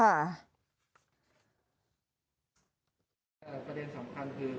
แต่ประเด็นสำคัญคือ